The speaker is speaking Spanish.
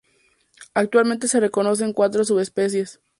Actualmente se reconocen cuatro subespecie.